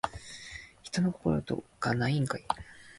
人の心とかないんか